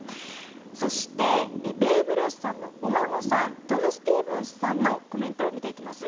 そして、ベーブ・ルースさんのお孫さんトム・スティーブンスさんのコメントを見ていきます。